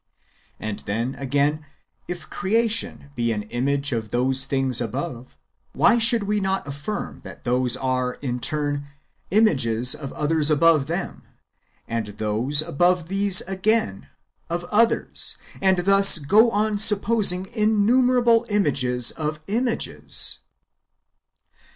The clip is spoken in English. And then, again, if creation be an image of those things [above], why should we not afiirm that those are, in turn, images of others above them, and those above these again, of others, and thus go on supposing innumerable images of images